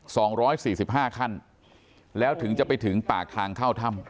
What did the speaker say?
สองร้อยสี่สิบห้าขั้นแล้วถึงจะไปถึงปากทางเข้าถ้ำ